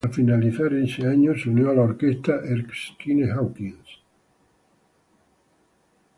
Al finalizar ese año, se unió a la orquesta Erskine Hawkins.